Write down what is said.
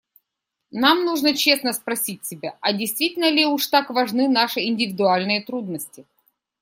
Нам нужно честно спросить себя, а действительно ли уж так важны наши индивидуальные трудности.